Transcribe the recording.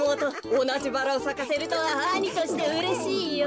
おなじバラをさかせるとは兄としてうれしいよ。